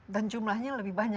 dan jumlahnya lebih banyak bisa